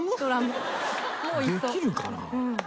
できるかな？